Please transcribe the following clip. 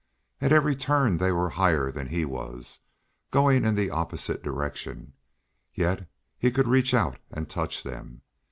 At every turn they were higher than he was, going in the opposite direction, yet he could reach out and touch them.